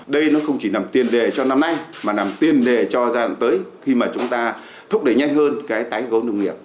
đây nó không chỉ làm tiền đề cho năm nay mà làm tiền đề cho giai đoạn tới khi mà chúng ta thúc đẩy nhanh hơn cái tái cấu nông nghiệp